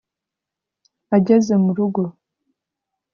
ageze mu rugo,